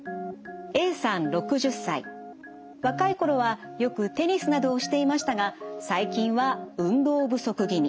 若い頃はよくテニスなどをしていましたが最近は運動不足気味。